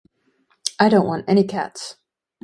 I don't want any cats.